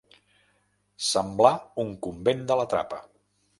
Semblar un convent de la trapa.